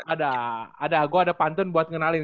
ada ada gue ada pantun buat ngenalin